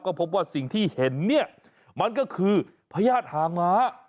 ก็พบว่าสิ่งที่เห็นเนี่ยมันก็คือพญาติหางม้า